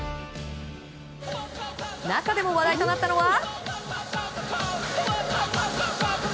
中でも話題となったのは。